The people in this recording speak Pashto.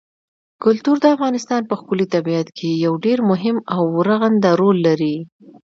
کلتور د افغانستان په ښکلي طبیعت کې یو ډېر مهم او رغنده رول لري.